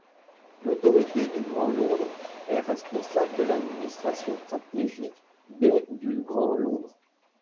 L'Autorité du Grand Londres est responsable de l'administration stratégique des du Grand Londres.